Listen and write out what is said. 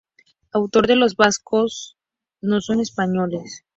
Autor de "Los vascos no son españoles".